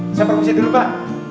saya profesi dulu pak